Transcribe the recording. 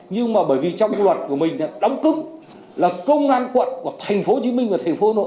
nhưng mà bởi vì trong luật của mình đóng cứng là công an quận của thành phố hồ chí minh và thành phố hồ nội